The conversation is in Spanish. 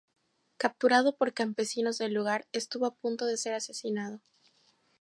Capturado por campesinos del lugar, estuvo a punto de ser asesinado.